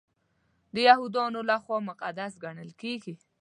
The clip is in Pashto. د یهودانو لخوا مقدس ګڼل کیږي.